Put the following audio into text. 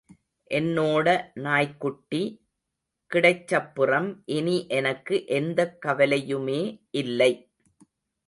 என்னோட நாய்க்குட்டி கிடைச்சப்புறம் இனி எனக்கு எந்தக் கவலையுமே இல்லை.